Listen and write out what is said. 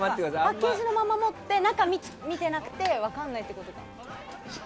パッケージのまま持って中を見てなくて分からないってことかな？